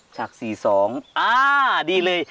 จาก๔๒อ่าดีเลย